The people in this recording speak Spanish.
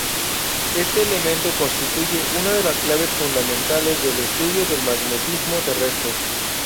Este elemento constituye una de las claves fundamentales del estudio del magnetismo terrestre.